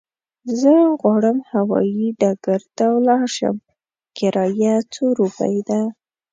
زه غواړم هوايي ډګر ته ولاړ شم، کرايه څو روپی ده؟